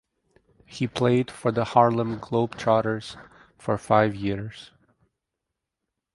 He played for the Harlem Globetrotters for five years.